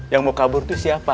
yang mau kabur itu siapa